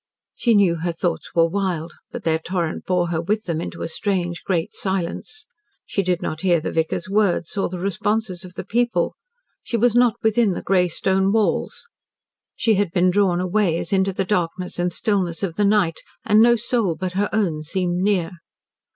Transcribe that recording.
She knew her thoughts were wild, but their torrent bore her with them into a strange, great silence. She did not hear the vicar's words, or the responses of the people. She was not within the grey stone walls. She had been drawn away as into the darkness and stillness of the night, and no soul but her own seemed near.